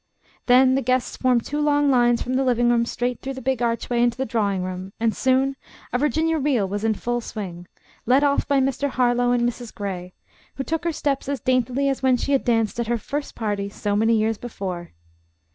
Then the guests formed two long lines from the living room straight through the big archway into the drawing room, and soon a Virginia reel was in full swing, led off by Mr. Harlowe and Mrs. Gray, who took her steps as daintily as when she had danced at her first party so many years before.